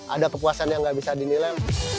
ada kepuasan yang gak bisa dinilai